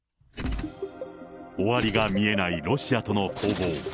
終わりが見えないロシアとの攻防。